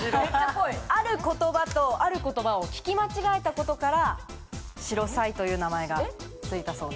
ある言葉とある言葉を聞き間違えたことからシロサイという名前が付いたそうなんです。